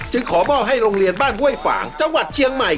จึงขอบ้อให้โรงเรียนบ้านเว้ยฝ่างจังหวัดเชียงใหม่